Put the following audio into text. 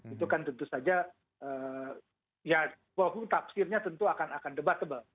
itu kan tentu saja ya bohong tafsirnya tentu akan debatable